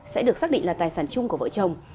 sẽ được xác định là tài sản chung của vợ chồng